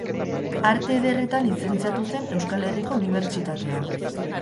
Arte Ederretan lizentziatu zen Euskal Herriko Unibertsitatean.